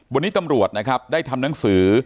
วันนี้ตำรวจนะครับได้ทำหนังสือ